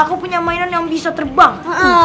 aku punya mainan yang bisa terbang